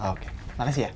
oke makasih ya